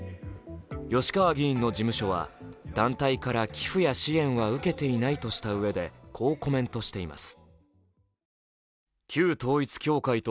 吉川議員の事務所は、団体から寄付や支援は受けていないとしたうえでこうコメントしています。